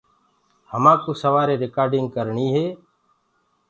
همآڪوُ سوآري رِڪآرڊيٚنگ ڪرڻي هي۔